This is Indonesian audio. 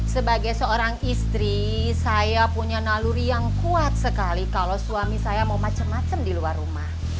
sebagai seorang istri saya punya naluri yang kuat sekali kalau suami saya mau macam macam di luar rumah